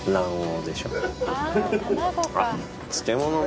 あっ。